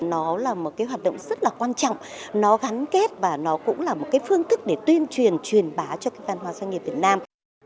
nó là một cái hoạt động rất là quan trọng nó gắn kết và nó cũng là một cái phương thức để tuyên truyền truyền bá cho cái văn hóa doanh nghiệp việt nam